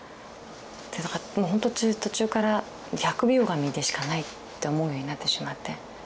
だからほんと途中から疫病神でしかないって思うようになってしまって。